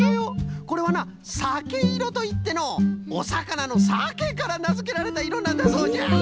これはなさけいろといってのうおさかなのさけからなづけられたいろなんだそうじゃ。